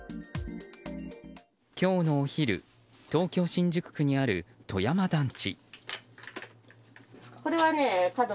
今日のお昼東京・新宿区にある戸山団地。